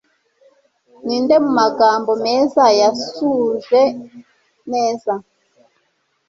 Ninde mumagambo meza yasuhuje neza